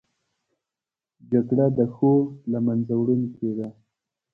جګړه د ښو له منځه وړونکې ده